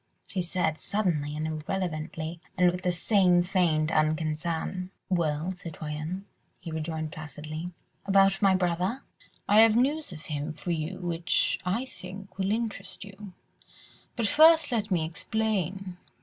she said suddenly and irrelevantly, and with the same feigned unconcern. "Well, citoyenne?" he rejoined placidly. "About my brother?" "I have news of him for you which, I think, will interest you, but first let me explain.